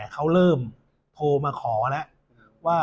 เขาเริ่มโทรมาขอแล้วว่า